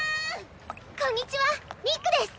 こんにちはミックです！